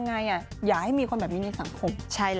ไงอย่าให้มีคนแบบนี้ในสังคม